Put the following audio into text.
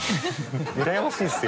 うらやましいですよ